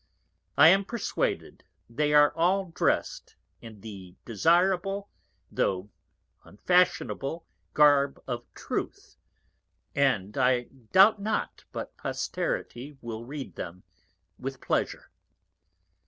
I am perswaded, they are all dress'd in the desirable, though unfashionable Garb of Truth, and I doubt not but Posterity will read them with Pleasure.